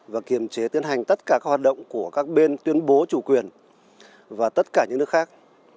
và kiềm chế tiến hành tất cả các hoạt động của các bên tuyên bố chủ quyền và tất cả những nước khác